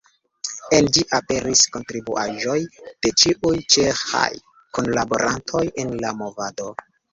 En ĝi aperis kontribuaĵoj de ĉiuj ĉeĥaj kunlaborantoj el la movado.